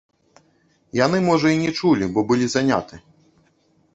Яны можа і не чулі, бо былі заняты.